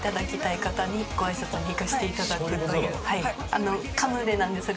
あのカヌレなんですが。